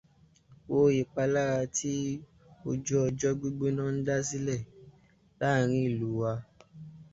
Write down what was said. Wo ìpalára tí ojú ọjọ́ gbígbóná ń dá sílẹ̀ láàárín ìlú wa